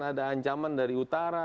ada ancaman dari utara